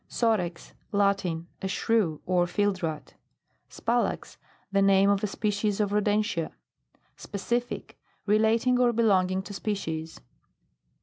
SOREX. Latin. A Shrew, or fieldrat. SPALAX. The name of a species of rodentia. SPECIFIC. Relating or belonging to species.